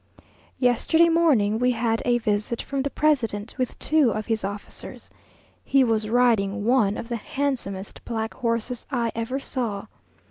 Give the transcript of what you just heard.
Yesterday morning we had a visit from the president, with two of his officers. He was riding one of the handsomest black horses I ever saw.